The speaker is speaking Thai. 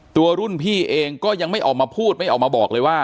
ตัวรุ่นพี่เองก็ยังไม่ออกมาพูดไม่ออกมาบอกเลยว่า